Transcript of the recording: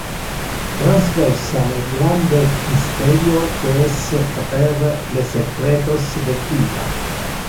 Transversa le grande mysterio que es caper le secretos del vita.